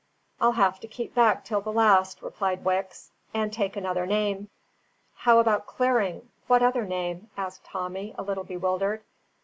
"I'll have to keep back till the last," replied Wicks, "and take another name." "But how about clearing? what other name?" asked Tommy, a little bewildered.